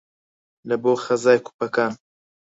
لە بۆ خەزای کوپەکان